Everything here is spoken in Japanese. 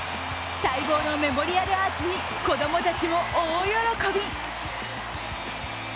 待望のメモリアルアーチに子供たちも大喜び。